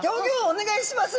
お願いします！